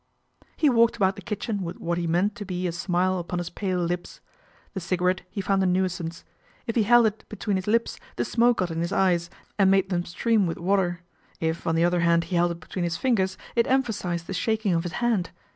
He walked about the kitchen with what he meant to be a smile upon his pale lips. The cigarette he found a nuisance. If he held it between his lips the smoke got in his eyes and made them stream with water ; if, on the other hand, he held it between his fingers, it emphasized the shaking of his hand.